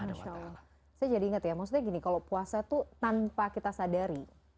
saya jadi ingat ya maksudnya gini kalau puasa itu tanpa kita sadari